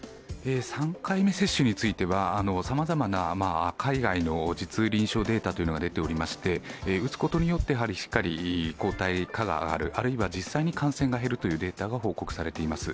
３回目接種についてはさまざまな海外な実臨床データが出ていまして打つことによってしっかり抗体価が上がる、あるいは実際に感染が減るというデータが報告されています。